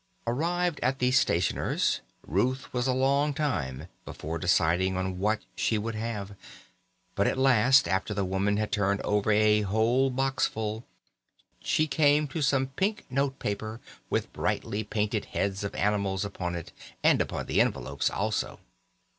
Arrived at the stationer's, Ruth was a long time before deciding on what she would have; but at last, after the woman had turned over a whole boxful, she came to some pink note paper with brightly painted heads of animals upon it, and upon the envelopes also.